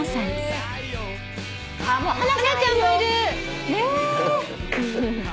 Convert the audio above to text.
ハナちゃんもいる！